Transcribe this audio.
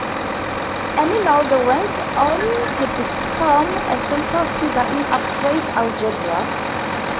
Emmy Noether went on to become a central figure in abstract algebra.